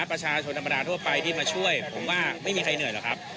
ประชาชนธรรมดาทั่วไปที่มาช่วยผมว่าไม่มีใครเหนื่อยหรอกครับ